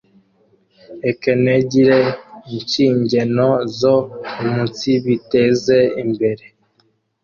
ekenegire inshingeno zo umunsibiteze imbere